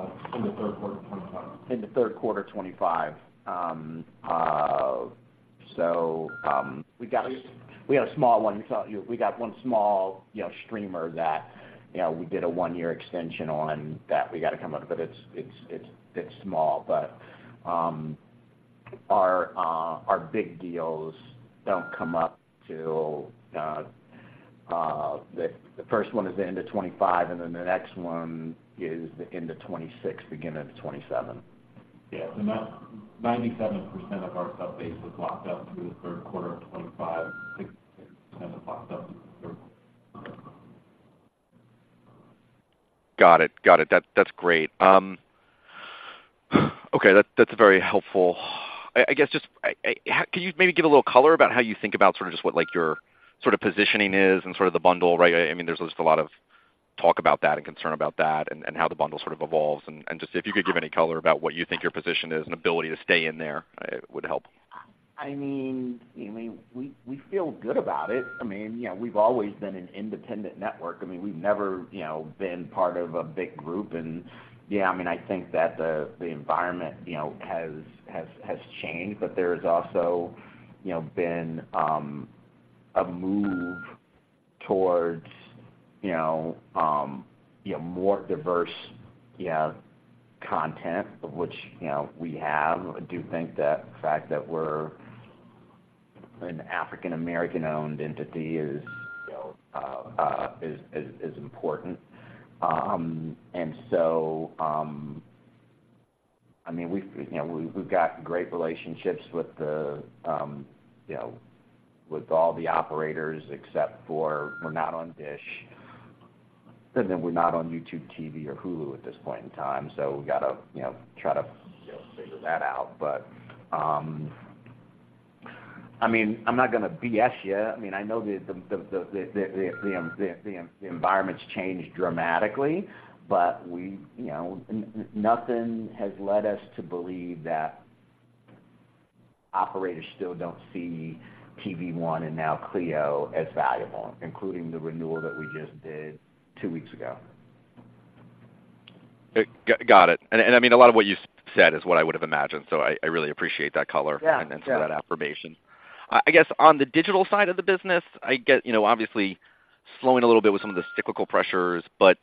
of 2025. In the Q3 of 2025. So we got a small one. So we got one small, you know, streamer that, you know, we did a one-year extension on that we got to come up, but it's small. But our big deals don't come up till the first one is the end of 2025, and then the next one is the end of 2026, beginning of 2027. Yeah. So now 97% of our subbase is locked up through the Q3 of 2025, locked up. Got it. Got it. That's great. Okay, that's very helpful. I guess just, how... Can you maybe give a little color about how you think about sort of just what, like, your sort of positioning is and sort of the bundle, right? I mean, there's just a lot of talk about that and concern about that and how the bundle sort of evolves. And just if you could give any color about what you think your position is and ability to stay in there, would help. I mean, we feel good about it. I mean, you know, we've always been an independent network. I mean, we've never, you know, been part of a big group. Yeah, I mean, I think that the environment, you know, has changed, but there's also, you know, been a move towards, you know, yeah, more diverse, yeah, content, which, you know, we have. I do think that the fact that we're an African American-owned entity is, you know, important. And so, I mean, we've, you know, we've got great relationships with the, you know, with all the operators, except for we're not on Dish, and then we're not on YouTube TV or Hulu at this point in time, so we got to, you know, try to, you know, figure that out. But, I mean, I'm not gonna BS you. I mean, I know the environment's changed dramatically, but we, you know, nothing has led us to believe that operators still don't see TV One and now Cleo as valuable, including the renewal that we just did two weeks ago.... Got it. And I mean, a lot of what you said is what I would have imagined, so I really appreciate that color- Yeah, yeah. And then for that affirmation. I guess on the digital side of the business, I get, you know, obviously, slowing a little bit with some of the cyclical pressures, but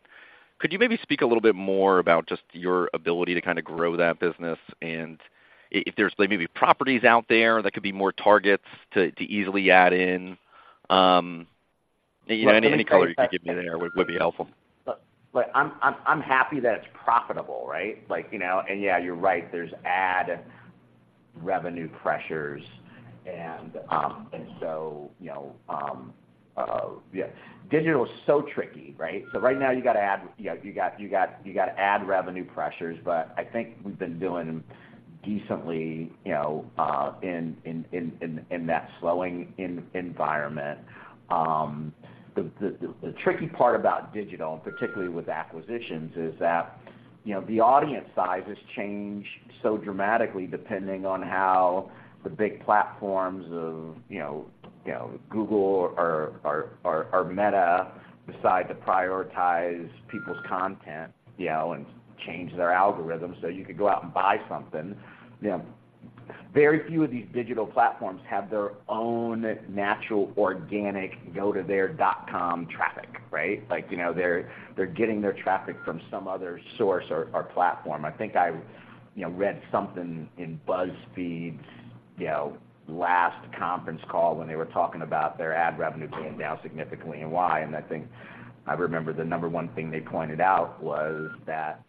could you maybe speak a little bit more about just your ability to kinda grow that business? And if there's maybe properties out there that could be more targets to easily add in, you know, any color you could give me there would be helpful. Look, I'm happy that it's profitable, right? Like, you know, and yeah, you're right, there's ad revenue pressures, and, and so, you know, yeah, digital is so tricky, right? So right now, you got ad revenue pressures, but I think we've been doing decently, you know, in that slowing environment. The tricky part about digital, and particularly with acquisitions, is that, you know, the audience sizes change so dramatically depending on how the big platforms of, you know, Google or Meta decide to prioritize people's content, you know, and change their algorithms. So you could go out and buy something, you know, very few of these digital platforms have their own natural, organic, go-to-their-dot-com traffic, right? Like, you know, they're getting their traffic from some other source or platform. I think I, you know, read something in BuzzFeed's, you know, last conference call when they were talking about their ad revenue going down significantly and why, and I think I remember the number one thing they pointed out was that,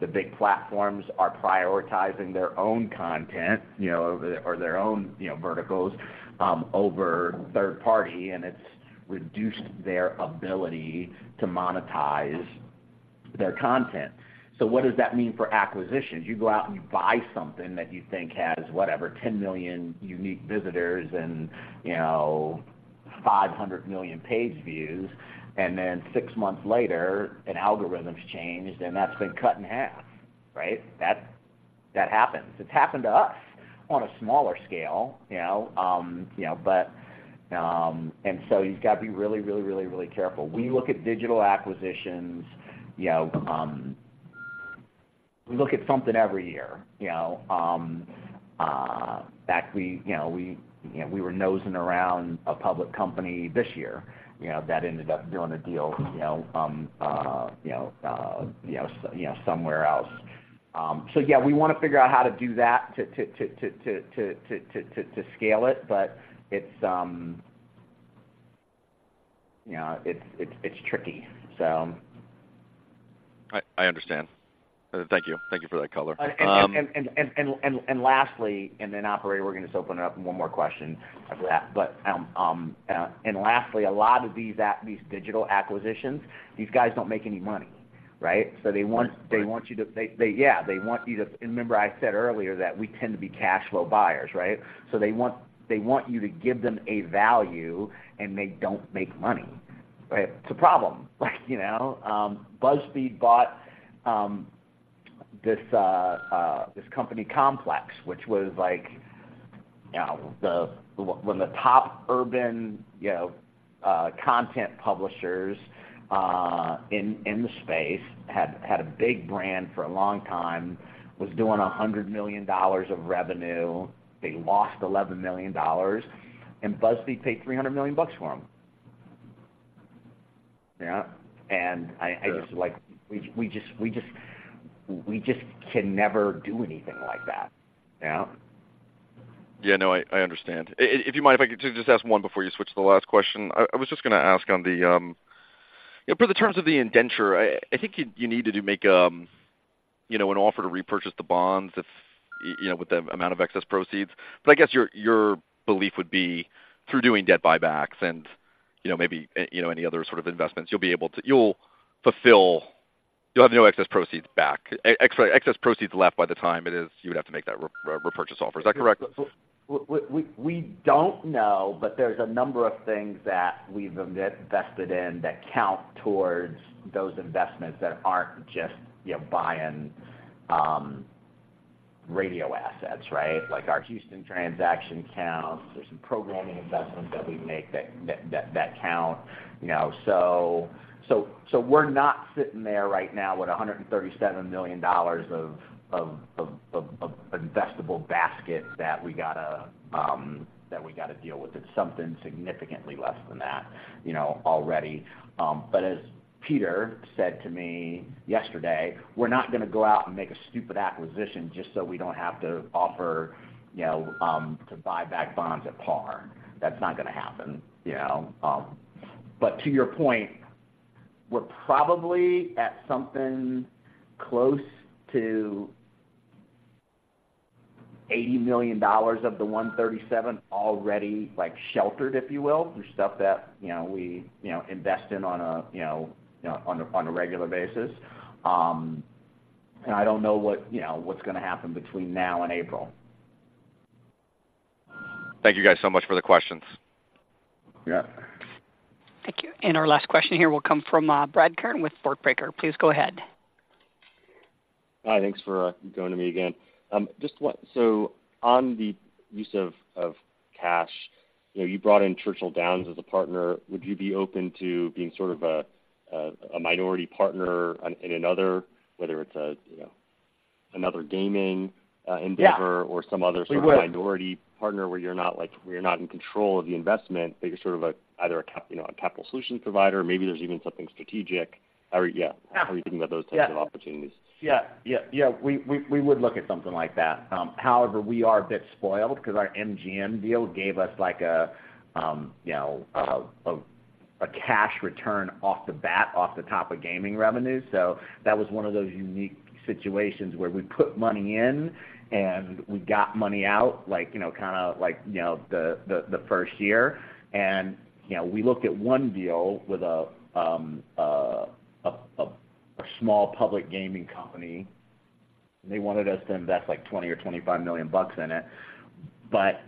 the big platforms are prioritizing their own content, you know, or their own, you know, verticals, over third party, and it's reduced their ability to monetize their content. So what does that mean for acquisitions? You go out and you buy something that you think has, whatever, 10 million unique visitors and, you know, 500 million page views, and then six months later, an algorithm's changed, and that's been cut in half, right? That- that happens. It's happened to us on a smaller scale, you know, but... And so you've got to be really, really, really, really careful. We look at digital acquisitions, you know, we look at something every year, you know. We were nosing around a public company this year, you know, that ended up doing a deal, you know, you know, somewhere else. So yeah, we wanna figure out how to do that to scale it, but it's, you know, it's tricky, so. I understand. Thank you. Thank you for that color. And lastly, operator, we're gonna just open it up for one more question after that. But, and lastly, a lot of these digital acquisitions, these guys don't make any money, right? So they want- Right. They want you to remember I said earlier that we tend to be cash flow buyers, right? So they want you to give them a value, and they don't make money, right? It's a problem. Like, you know, BuzzFeed bought this company, Complex, which was like, you know, one of the top urban content publishers in the space, had a big brand for a long time, was doing $100 million of revenue. They lost $11 million, and BuzzFeed paid $300 million for them. Yeah, and I Sure... just like, we just can never do anything like that, you know? Yeah. No, I understand. If you might, if I could just ask one before you switch to the last question. I was just gonna ask on the, you know, for the terms of the indenture, I think you need to make, you know, an offer to repurchase the bonds if, you know, with the amount of excess proceeds. But I guess your belief would be through doing debt buybacks and, you know, maybe any other sort of investments, you'll be able to... You'll fulfill - you'll have no excess proceeds back. Excess proceeds left by the time it is you would have to make that repurchase offer. Is that correct? We don't know, but there's a number of things that we've invested in that count towards those investments that aren't just, you know, buying radio assets, right? Like, our Houston transaction counts. There's some programming investments that we make that count, you know, so we're not sitting there right now with $137 million of investable basket that we gotta deal with. It's something significantly less than that, you know, already. But as Peter said to me yesterday, we're not gonna go out and make a stupid acquisition just so we don't have to offer, you know, to buy back bonds at par. That's not gonna happen, you know? But to your point, we're probably at something close to $80 million of the $137 already, like, sheltered, if you will, through stuff that, you know, we invest in on a regular basis. And I don't know what, you know, what's gonna happen between now and April. Thank you guys so much for the questions. Yeah. Thank you. Our last question here will come from Brad Kern with Fort Baker. Please go ahead.... Hi, thanks for going to me again. Just, so on the use of cash, you know, you brought in Churchill Downs as a partner. Would you be open to being sort of a minority partner in another, whether it's a, you know, another gaming endeavor- Yeah. or some other sort We would. of minority partner where you're not like, where you're not in control of the investment, but you're sort of a, either a, you know, a capital solution provider, or maybe there's even something strategic? Or, yeah. Yeah. How are you thinking about those types of opportunities? Yeah. Yeah, yeah. We would look at something like that. However, we are a bit spoiled because our MGM deal gave us like a you know, a cash return off the bat, off the top of gaming revenue. So that was one of those unique situations where we put money in, and we got money out, like, you know, kind of like, you know, the first year. And, you know, we looked at one deal with a small public gaming company. They wanted us to invest, like, $20 million or $25 million in it. But,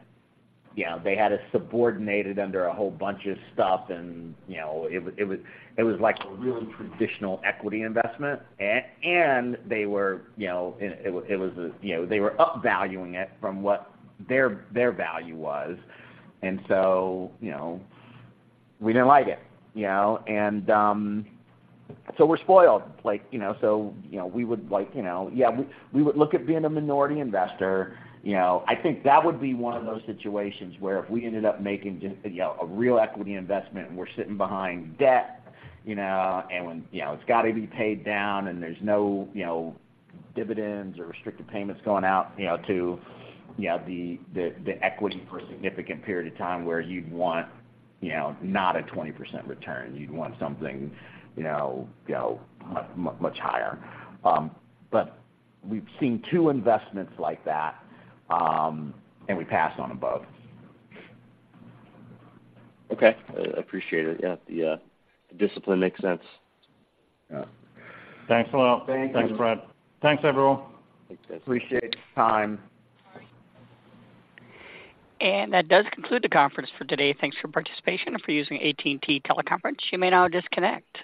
yeah, they had us subordinated under a whole bunch of stuff, and, you know, it was like a really traditional equity investment. They were, you know, it was, you know, they were up-valuing it from what their value was. And so, you know, we didn't like it, you know? And so we're spoiled, like, you know, so, you know, we would like, you know... Yeah, we would look at being a minority investor. You know, I think that would be one of those situations where if we ended up making just, you know, a real equity investment, and we're sitting behind debt, you know, and when it's got to be paid down, and there's no, you know, dividends or restricted payments going out, you know, to the equity for a significant period of time, where you'd want, you know, not a 20% return. You'd want something, you know, go much, much higher. But we've seen two investments like that, and we passed on them both. Okay. Appreciate it. Yeah, the discipline makes sense. Yeah. Thanks a lot. Thank you. Thanks, Brad. Thanks, everyone. Appreciate the time. That does conclude the conference for today. Thanks for participation and for using AT&T Teleconference. You may now disconnect.